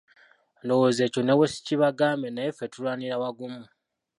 Ndowooza ekyo ne bwe siikibagambe naye ffe tulwanira wagumu.